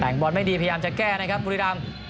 แต่งบอลไม่ดีพยายามจะแก้นะครับบุรีรำ